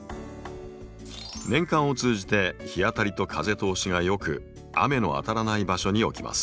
年間を通じて日当たりと風通しがよく雨の当たらない場所に置きます。